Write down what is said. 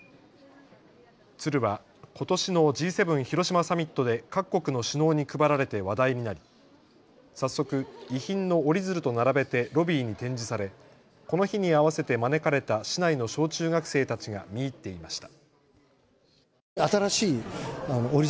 鶴はことしのＧ７広島サミットで各国の首脳に配られて話題になり早速、遺品の折り鶴と並べてロビーに展示されこの日に合わせて招かれた市内の小中学生たちが見入っていました。